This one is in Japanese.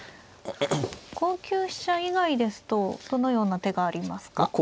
５九飛車以外ですとどのような手がありますか。